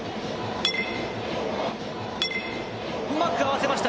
うまく合わせました。